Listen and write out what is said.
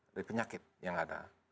dari penyakit yang ada